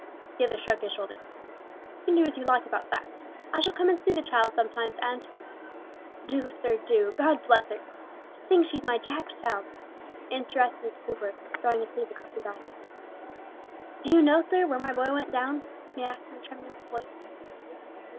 The other shrugged his shoulders. "You can do as you like about that. I shall come and see the child sometimes, and " "Do, sir, do, God bless her! To think she's my Jack's child!" interrupted Coomber, drawing his sleeve across his eyes. "Do you know, sir, where my boy went down?" he asked, in a tremulous voice.